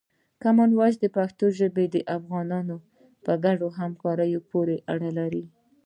کامن وایس پښتو د افغانانو په ګډه همکاري پورې اړه لري.